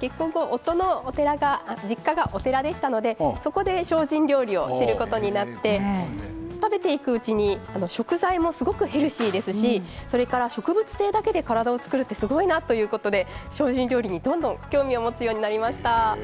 結婚後、夫の実家がお寺でしたので、そこで精進料理を知ることになって食べていくうちに食材もすごくヘルシーですしそれから植物性だけで体を作るってすごいなということで精進料理にどんどん興味を持つようになりました。